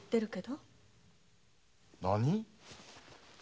何？